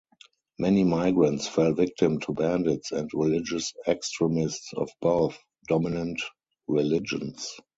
Many migrants fell victim to bandits and religious extremists of both dominant religions.